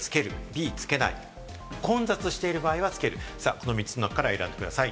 この３つの中から選んでください。